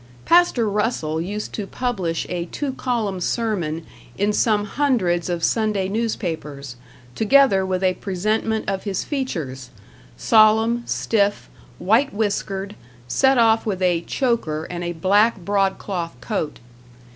Pastor Russell used to publish a two column sermon in some hundreds of Sunday newspapers, together with a presentment of his features solemn, stiff, white whiskered, set off with a "choker" and a black broadcloth coat.